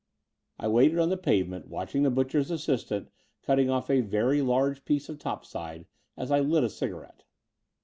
I waited on the pavement, watching the butcher's assistant cutting off a very large piece of topside, as I lit a cigarette.